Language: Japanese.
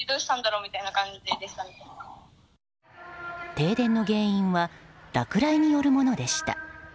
停電の原因は落雷によるものでした。